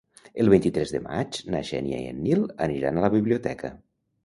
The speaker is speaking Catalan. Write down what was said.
El vint-i-tres de maig na Xènia i en Nil aniran a la biblioteca.